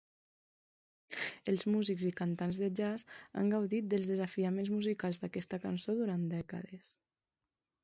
Els músics i cantants de jazz han gaudit dels desafiaments musicals d'aquesta cançó durant dècades.